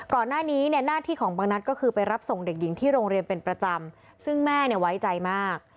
ก่อนหน้านี้เนี่ยหน้าที่ของบางนัดก็คือไปรับส่งเด็กหญิงที่โรงเรียนเป็นประจำซึ่งแม่เนี่ยไว้ใจมาก